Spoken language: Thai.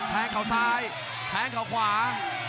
แทงเขาซ้ายแทงเขาขวา